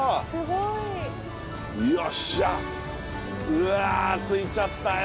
うわ着いちゃったよ